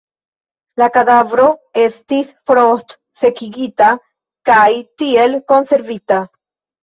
La kadavro estis frost-sekigita kaj tiel konservita.